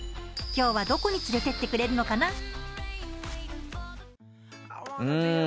今日はどこに連れてってくれるのかな？